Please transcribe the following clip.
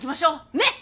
ねっ！